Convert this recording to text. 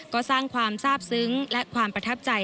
ก็สร้างความทราบซึ้งและความประทับใจ